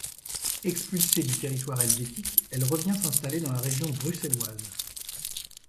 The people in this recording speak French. Expulsée du territoire helvétique, elle revient s'installer dans la région bruxelloise.